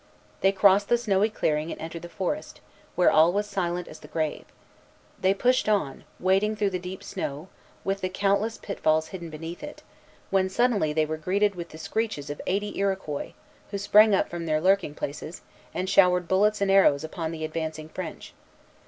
They crossed the snowy clearing and entered the forest, where all was silent as the grave. They pushed on, wading through the deep snow, with the countless pitfalls hidden beneath it, when suddenly they were greeted with the screeches of eighty Iroquois, who sprang up from their lurking places, and showered bullets and arrows upon the advancing French.